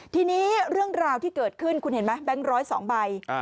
ทีนี้เรื่องราวที่เกิดขึ้นคุณเห็นไหมแบงค์๑๐๒ใบ